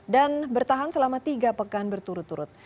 dan bertahan selama tiga pekan berturut turut